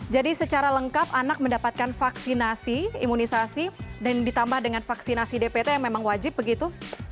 jadi secara lengkap anak mendapatkan vaksinasi imunisasi dan ditambah dengan vaksinasi dpt yang memang wajib begitu